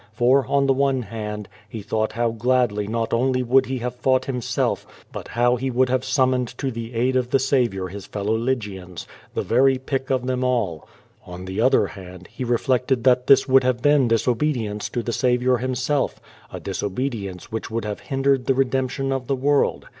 For, on the one hand, he thought how gladly not only would he have fought himself, but how he would have summoned to the aid of the Saviour his fellow Lygians, the very pick of them all. On the other hand, he reflected that this would have been disobedience to the Saviour himself — ^a disobedience which would have hindered the redemption of the world.